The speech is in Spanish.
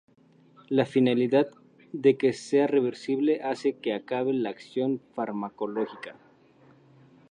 La finalidad de que sea reversible hace que acabe la acción farmacológica.